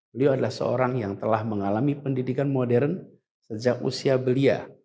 beliau adalah seorang yontek yang telah mengalami pendidikan modern uglya